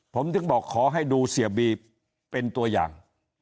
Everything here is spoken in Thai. ผมถึงบอกขอให้ดูเสียบีเป็นตัวอย่าง